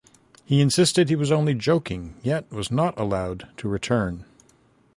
He insisted he was only joking yet was not allowed to return.